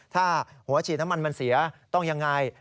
ถ้าหัวฉีดน้ำมันมันเสียต้องยังไง